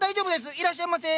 いらっしゃいませ。